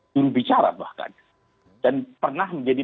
jurubicara bahkan dan pernah menjadi